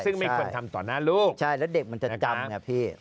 ซึ่งไม่ควรทำต่อหน้าลูกใช่แล้วเด็กมันจะจำไงพี่